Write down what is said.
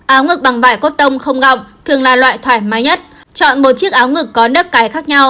áo ngực bằng vải cốt tông không gọng thường là loại thoải mái nhất